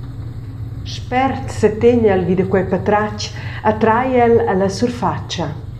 Spert setegn el vid quei patratg e trai el alla surfatscha.